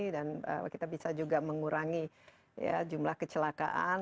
dan kita bisa juga mengurangi ya jumlah kecelakaan